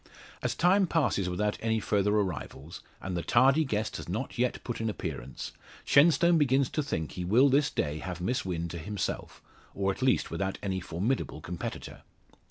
As time passes without any further arrivals, and the tardy guest has not yet put in appearance, Shenstone begins to think he will this day have Miss Wynn to himself, or at least without any very formidable competitor.